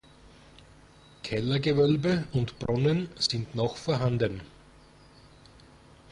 Kellergewölbe und Brunnen sind noch vorhanden.